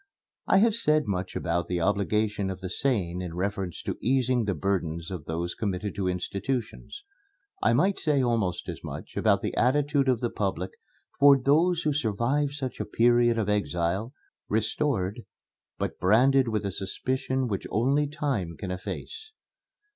I have said much about the obligation of the sane in reference to easing the burdens of those committed to institutions. I might say almost as much about the attitude of the public toward those who survive such a period of exile, restored, but branded with a suspicion which only time can efface.